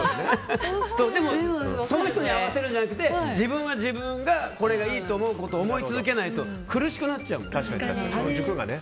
でも、その人に合わせるんじゃなくて自分はこれがいいと思うことをやり続けないと苦しくなっちゃうもんね。